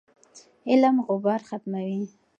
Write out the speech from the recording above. علم غبار ختموي.